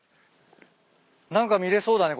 何か見れそうだね